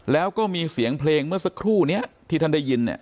แล้วก็มีเสียงเพลงเมื่อสักครู่นี้ที่ท่านได้ยินเนี่ย